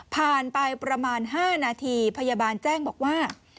ผ่านไปประมาณ๕นาทีพยาบาลแจ้งบอกว่า